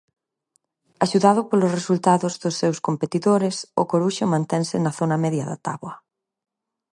Axudado polos resultados dos seus competidores, o Coruxo mantense na zona media da táboa.